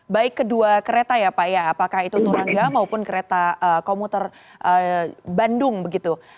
baik kedua kereta ya pak ya apakah itu turangga maupun kereta komuter bandung begitu